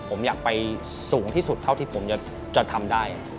ผมอยากไปสูงที่สุดเท่าที่ผมจะทำได้